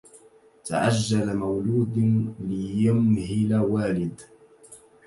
تعجل مولود ليمهل والد